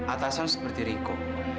atasan seperti riko